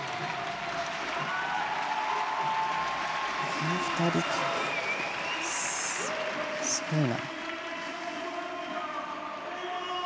この２人、すごいな。